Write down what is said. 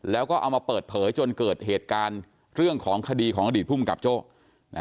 แล้วก็เอามาเปิดเผยจนเกิดเหตุการณ์เรื่องของคดีของอดีตภูมิกับโจ้